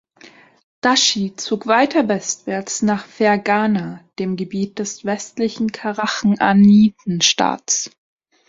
Dashi zog weiter westwärts nach Ferghana, dem Gebiet des westlichen Karachanidenstaates.